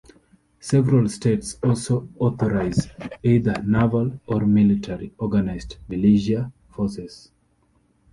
Several States also authorize either naval or military organized militia forces.